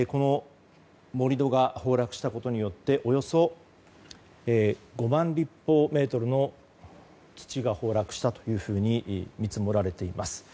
盛り土が崩落したことによっておよそ５万立方メートルの土が崩落したというふうに見積もられています。